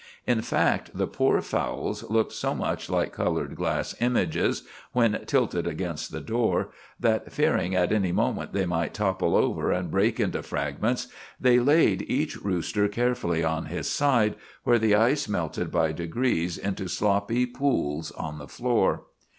In fact, the poor fowls looked so much like colored glass images, when tilted against the door, that, fearing at any moment they might topple over and break into fragments, they laid each rooster carefully on his side, where the ice melted by degrees into sloppy pools on the floor.